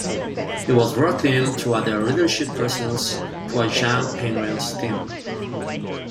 He was brought in to add a leadership presence to a young Penguins team.